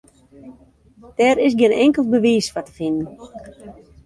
Dêr is gjin inkeld bewiis foar te finen.